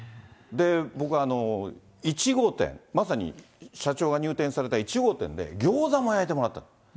僕あの、１号店、まさに社長が入店された１号店で、餃子も焼いてもらったの。